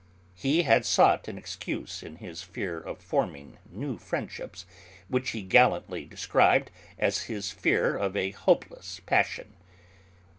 He had sought an excuse in his fear of forming new friendships, which he gallantly described as his fear of a hopeless passion.